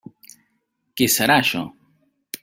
Què serà això?